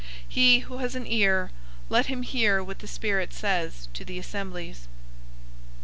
003:013 He who has an ear, let him hear what the Spirit says to the assemblies.